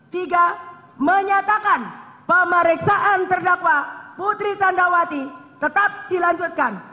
tiga menyatakan pemeriksaan terdakwa putri candrawati tetap dilanjutkan